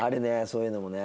そういうのもね。